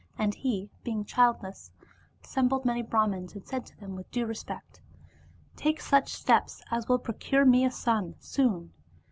And he, being childless, assem bled many Brahmans and said to them with due respect, *' Take such steps as will procure me a son soon."